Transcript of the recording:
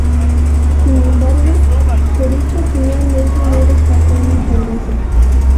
Sin embargo, Jericho finalmente no descartó un regreso.